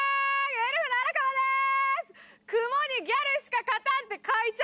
エルフの荒川でーす！